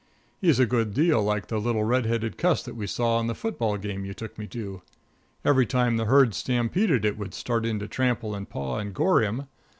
He's a good deal like the little red headed cuss that we saw in the football game you took me to. Every time the herd stampeded it would start in to trample and paw and gore him.